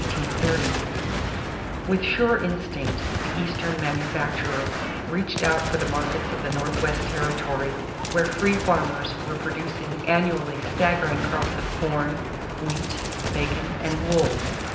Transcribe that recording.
[Illustration: From an old print AN EARLY RAILWAY] With sure instinct the Eastern manufacturer reached out for the markets of the Northwest territory where free farmers were producing annually staggering crops of corn, wheat, bacon, and wool.